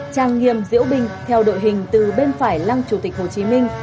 trang nghiêm diễu binh theo đội hình từ bên phải lăng chủ tịch hồ chí minh